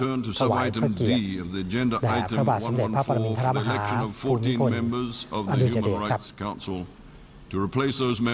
กล่าววายเพิ่มเกียรติไหนล่ะพระบาทสำเร็จภาพประมีอยรับอาหารบุญวภวิช๓๖๑ออม